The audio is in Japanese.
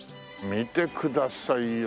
見てくださいよ。